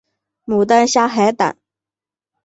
牡丹虾海胆